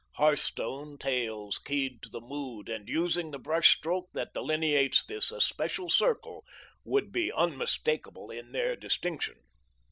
Hearthstone tales keyed to the mood and using the brush stroke that delineates this especial circle would be unmistakable in their distinction.